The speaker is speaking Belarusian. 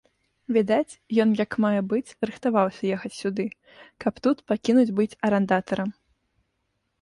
Відаць, ён як мае быць рыхтаваўся ехаць сюды, каб тут пакінуць быць арандатарам.